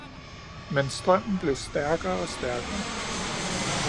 Men strømmen blev stærkere og stærkere!